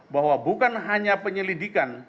bahwa bukan hanya penyelidikan